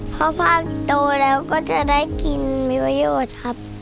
เพราะภาพโตแล้วก็จะได้กินมีประโยชน์ครับ